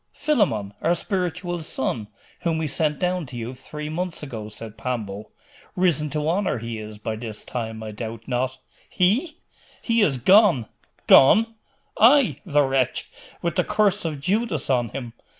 'Philammon, our spiritual son, whom we sent down to you three months ago,' said Pambo. 'Risen to honour he is, by this time, I doubt not?' 'He? He is gone!' 'Gone?' 'Ay, the wretch, with the curse of Judas on him.